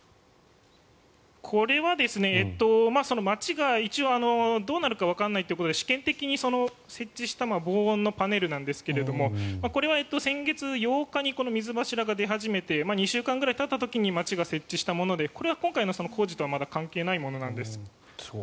これは町が一応どうなるかわからないということで試験的に設置した防音のパネルなんですがこれは先月８日に水柱が出始めて２週間ぐらいたった時に町が設置したものでこれは今回の工事とはまた関係ないものなんです。